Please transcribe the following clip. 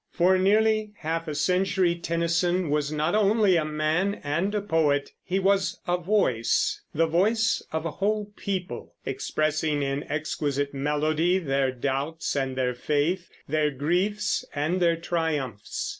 For nearly half a century Tennyson was not only a man and a poet; he was a voice, the voice of a whole people, expressing in exquisite melody their doubts and their faith, their griefs and their triumphs.